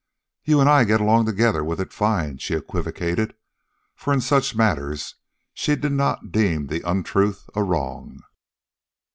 "You and I get along together with it fine," she equivocated; for in such matters she did not deem the untruth a wrong.